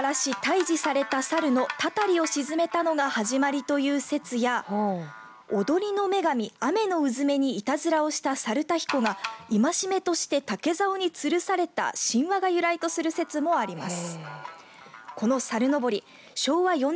中には田畑を表し退治された猿のたたりをしずめたのが始まりという説や踊りの女神アメノウズメにいたずらをした猿田彦が戒めとして竹ざおにつるされた神話が由来とする説もあります。